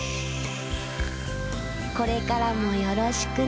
これからもよろしくね。